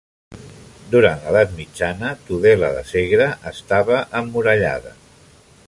Durant l'edat mitjana, Tudela de Segre estava emmurallada.